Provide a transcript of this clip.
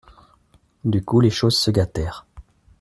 Du coup, les choses se gâtèrent.